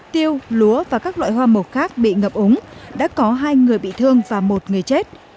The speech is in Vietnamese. tiêu lúa và các loại hoa màu khác bị ngập úng đã có hai người bị thương và một người chết